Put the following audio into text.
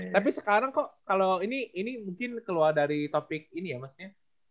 tapi sekarang kok kalau ini mungkin keluar dari topik ini ya maksudnya